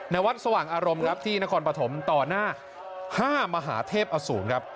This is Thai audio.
ในวัดสว่างอารมณ์ที่นครปฐมต่อหน้า๕มหาเทพอสูง